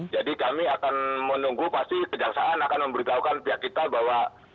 jadi kami akan menunggu pasti kejaksaan akan memberitahukan pihak kita bahwa